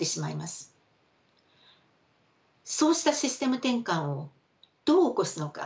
そうしたシステム転換をどう起こすのか？